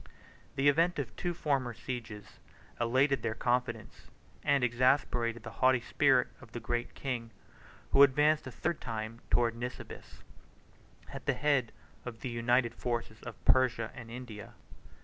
The event of the two former sieges elated their confidence, and exasperated the haughty spirit of the Great King, who advanced a third time towards Nisibis, at the head of the united forces of Persia and India.